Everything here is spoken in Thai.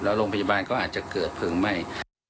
แล้วโรงพยาบาลก็อาจจะเกิดเพลิงไหม้